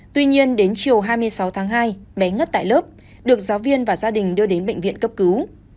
tuy nhiên đến chiều hai mươi sáu tháng hai bé ngất tại lớp được giáo viên và gia đình đưa đến bệnh viện cấp cứu